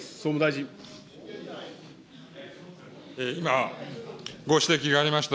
今、ご指摘がありました